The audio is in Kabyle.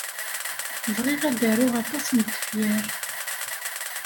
Bɣiɣ ad d-aruɣ aṭas n tefyar.